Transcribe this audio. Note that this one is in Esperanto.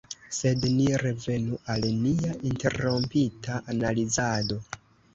Sed ni revenu al nia interrompita analizado.